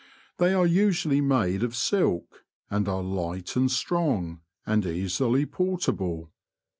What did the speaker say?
They are usually made of silk, and are light and strong, and easily portable.